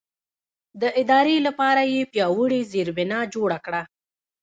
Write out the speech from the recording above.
د ادارې لپاره یې پیاوړې زېربنا جوړه کړه.